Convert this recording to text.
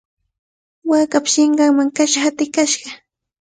Waakapa sinqanman kasha hatikashqa.